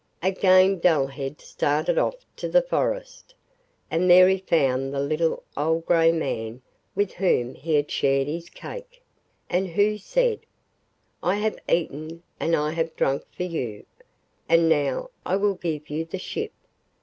Again Dullhead started off to the forest, and there he found the little old grey man with whom he had shared his cake, and who said: 'I have eaten and I have drunk for you, and now I will give you the ship.